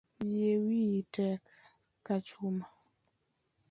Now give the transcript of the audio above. Yie wiyi tek ka chuma